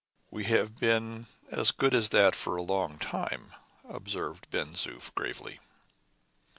"We have been as good as that for a long time," observed Ben Zoof, gravely.